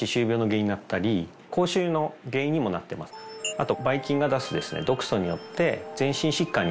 あと。